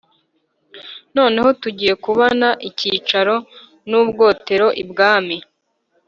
noneho tugiye kubona icyicaro n'ubwotero ibwami;